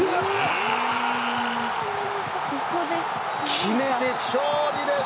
決めて、勝利です！